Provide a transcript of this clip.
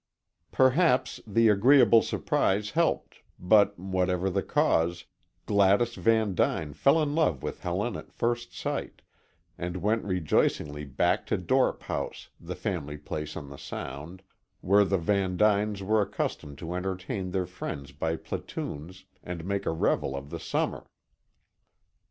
Perhaps the agreeable surprise helped, but, whatever the cause, Gladys Van Duyn fell in love with Helen at first sight, and went rejoicingly back to Dorp House, the family place on the Sound, where the Van Duyns were accustomed to entertain their friends by platoons, and make a revel of the summer.